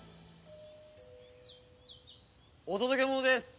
お届け物です。